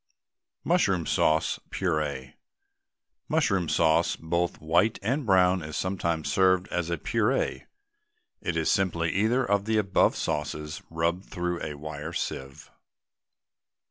MUSHROOM SAUCE, PUREE. Mushroom sauce, both white and brown, is sometimes served as a puree. It is simply either of the above sauces rubbed through a wire sieve.